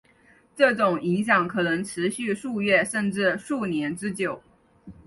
这种影响可能持续数月甚至数年之久。